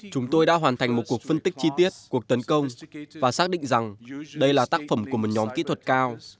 chúng tôi đã hoàn thành một cuộc phân tích chi tiết cuộc tấn công và xác định rằng đây là tác phẩm của một nhóm kỹ thuật cao